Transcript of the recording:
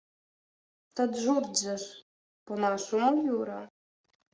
— Та Джурджа ж. По-нашому Юра.